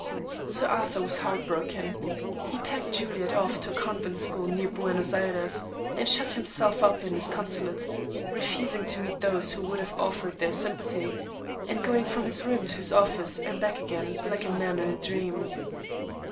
Sir Arthur was heart broken. He packed Juliet off to a convent school near Buenos Ayres, and shut himself up in his consulate, refusing to meet those who would have offered their sympathy, and going from his room to his office, and back again, like a man in a dream.